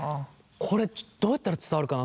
これどうやったら伝わるかな。